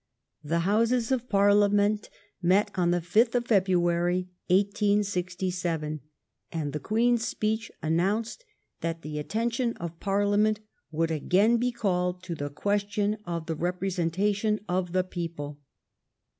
The Houses of Parliament met on the 5th of February, 1867, and the Queen s speech announced that the attention of Parliament would again be called to the question of the representation of the people.